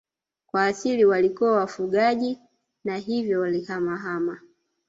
Kwa asili walikuwa wafugaji na hivyo walihamahama